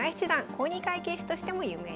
公認会計士としても有名です。